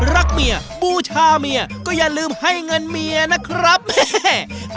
ยัเคียงประบายซนบิ่นแท้